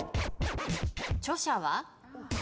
著者は？